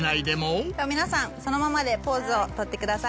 皆さんそのままでポーズをとってください。